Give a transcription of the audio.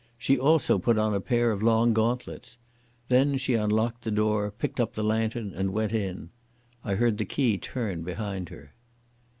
She also put on a pair of long gauntlets. Then she unlocked the door, picked up the lantern and went in. I heard the key turn behind her.